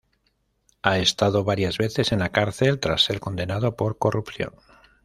Ha estado varias veces en la cárcel tras ser condenado por corrupción.